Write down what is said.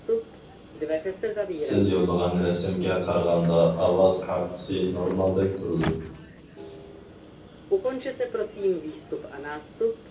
سىز يوللىغان رەسىمگە قارىغاندا ئاۋاز كارتىسى نورمالدەك تۇرىدۇ.